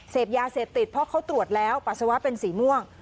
เสพยาเสพติดเพราะเขาตรวจแล้วปัสสาวะเป็นสีม่วง